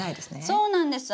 そうなんです。